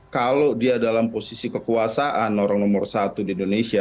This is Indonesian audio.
kalau dia dalam posisi kekuasaan orang nomor satu di indonesia